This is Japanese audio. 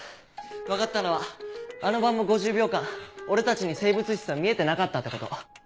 ⁉分かったのはあの晩も５０秒間俺たちに生物室は見えてなかったってこと。